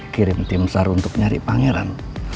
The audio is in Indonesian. kirim tim sar untuk nyari pangeran